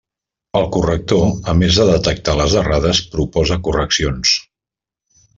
El corrector, a més de detectar les errades, proposa correccions.